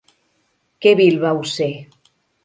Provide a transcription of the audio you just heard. Que vil vau ser!